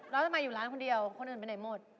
แล้วทำไมอยู่ร้านคนเดียวคนอื่นไปไหนหมด